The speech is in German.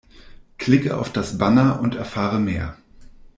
Klicke auf das Banner und erfahre mehr!